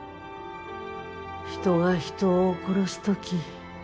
人が人を殺すとき